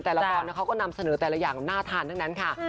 แต่ละตอนเขาก็นำเสนอแต่ละอย่างน่าทานทั้งนั้นค่ะ